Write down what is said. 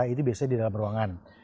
itu biasanya di dalam ruangan